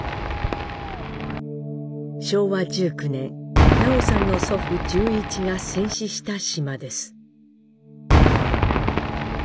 昭和１９年南朋さんの祖父潤一が戦死した島です。